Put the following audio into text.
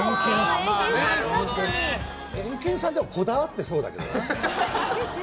エンケンさんこだわってそうだけど。